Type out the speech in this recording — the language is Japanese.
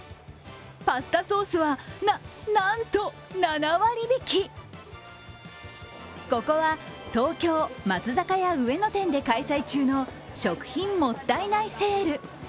パスタソースは、なっ、なんと７割引ここは東京・松坂屋上野店で開催中の食品もったいないセール。